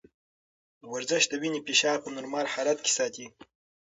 ورزش د وینې فشار په نورمال حالت کې ساتي.